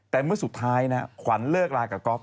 แต่เมื่อสุดท้ายนะขวัญเลิกลากับก๊อฟ